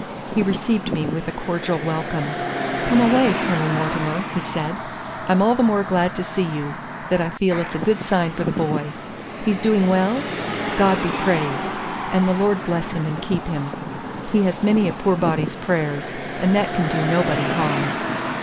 He received me with a cordial welcome. "Come away, Colonel Mortimer," he said; "I'm all the more glad to see you, that I feel it's a good sign for the boy. He's doing well? God be praised, and the Lord bless him and keep him. He has many a poor body's prayers, and that can do nobody harm."